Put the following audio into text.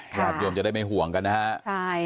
ราชยนต์จะได้ไม่ห่วงกันนะครับ